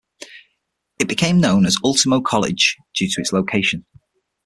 It became known as Ultimo College, due to its location.